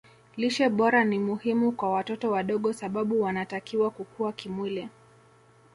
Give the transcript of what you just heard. lishe bora ni muhimu kwa watoto wadogo sababu wanatakiwa kukua kimwili